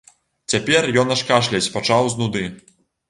Цяпер ён аж кашляць пачаў з нуды.